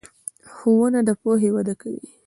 ښوونه د پوهې وده کوي.